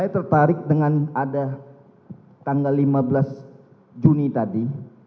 saya tertarik dengan ada tanggal lima belas juni tadi